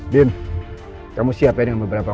din kamu siap ya dengan beberapa hal